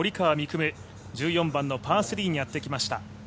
夢、１４番のパー３にやってきました。